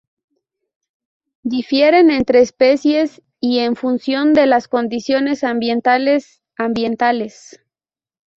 Difieren entre especies y en función de las condiciones ambientales ambientales.